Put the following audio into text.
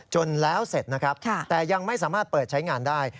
จนแล้วเสร็จนะครับแต่ยังไม่สามารถเปิดใช้งานได้